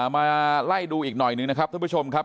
มาไล่ดูอีกหน่อยหนึ่งนะครับท่านผู้ชมครับ